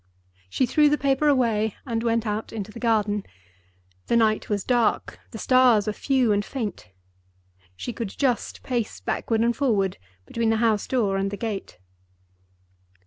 She threw the paper away, and went out into the garden. The night was dark; the stars were few and faint. She could just see the gravel walk—she could just pace backward and forward between the house door and the gate.